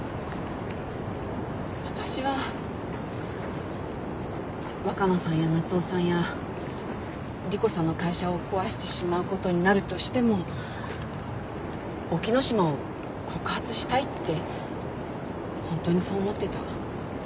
私は若菜さんや夏雄さんや莉湖さんの会社を壊してしまうことになるとしても沖野島を告発したいってホントにそう思ってた。